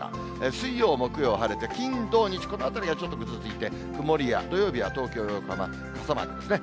水曜、木曜晴れて、金、土、日、このあたりがちょっとぐずついて、曇りや、土曜日は東京、横浜、傘マークですね。